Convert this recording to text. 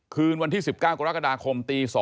คืนวันที่๑๙กรกฎาคมตี๒